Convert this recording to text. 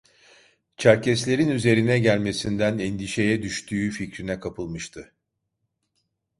Çerkeslerin üzerine gelmesinden endişeye düştüğü fikrine kapılmıştı.